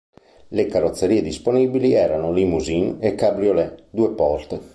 Le carrozzerie disponibili erano limousine e cabriolet due porte.